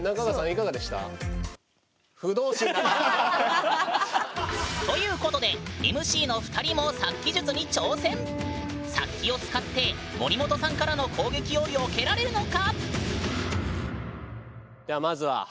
いかがでした？ということでＭＣの２人も察気を使って森本さんからの攻撃を避けられるのか⁉はい。